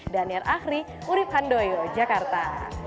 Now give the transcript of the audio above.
dan yang akhir urib handoyo jakarta